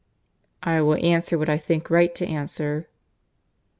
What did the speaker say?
"I will answer what I think right to answer."